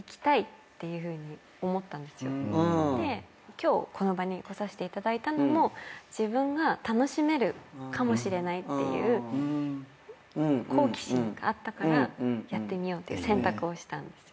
で今日この場に来させていただいたのも自分が楽しめるかもしれないっていう好奇心があったからやってみようっていう選択をしたんです。